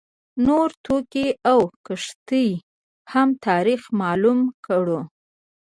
نور توکي او کښتۍ هم تاریخ معلوم کړو.